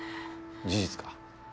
事実か？